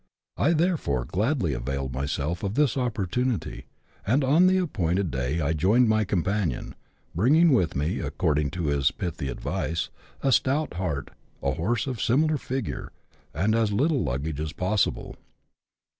I therefore gladly availed myself of this opportunity, and on the appointed day I joined my companion, bringing with me, according to his pithy advice, a stout heart, a horse of similar " figure," and as little luggage as possible.